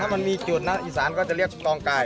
ถ้ามันมีจุดนะอิสานก็จะเรียกตองกาย